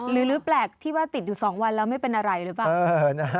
หรือแปลกที่ว่าติดอยู่๒วันแล้วไม่เป็นอะไรหรือเปล่า